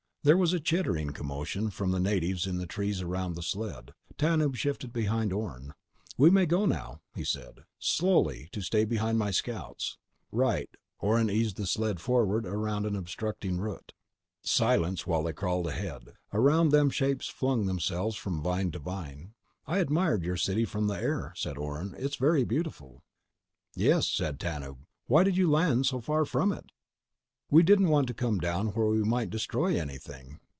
There was a chittering commotion from the natives in the trees around the sled. Tanub shifted behind Orne. "We may go now," he said. "Slowly ... to stay behind my ... scouts." "Right." Orne eased the sled forward around an obstructing root. Silence while they crawled ahead. Around them shapes flung themselves from vine to vine. "I admired your city from the air," said Orne. "It is very beautiful." "Yes," said Tanub. "Why did you land so far from it?" "We didn't want to come down where we might destroy anything."